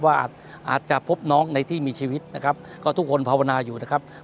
อาจจะพบน้องในที่มีชีวิตนะครับก็ทุกคนภาวนาอยู่นะครับ